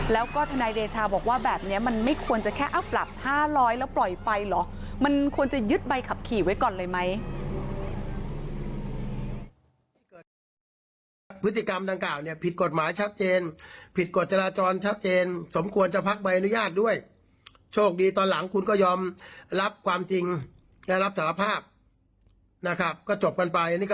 แล้วก็ธนายเดชาบอกว่าแบบนี้มันไม่ควรจะแค่อับปรับ๕๐๐แล้วปล่อยไปหรอก